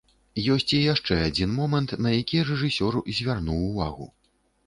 Ёсць і яшчэ адзін момант, на які рэжысёр звярнуў увагу.